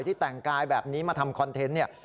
แต่งกายแบบนี้มาทำคอนเทนต์เนี่ย